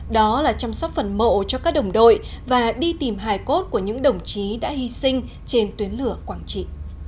đó là chăm sóc phần mộ cho các đồng đội và đi tìm hải cốt của những đồng chí đã hy sinh trên tuyến lửa quảng trị